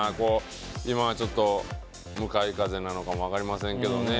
今はちょっと、向かい風なのかも分かりませんけどね。